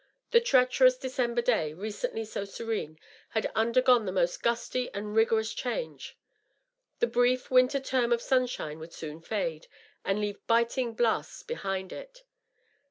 The treacherous December day, recently so serene, had undergone the most gusty and rigorous change. The brief winter term of sunshine would soon fade, to leave biting DOUGhAS DUANE. 619 U^ts behind it.